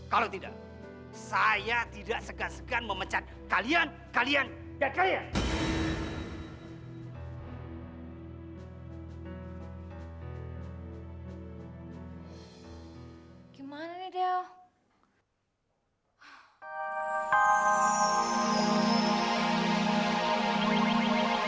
kalau tidak saya tidak segan segan memecat kalian kalian dan kalian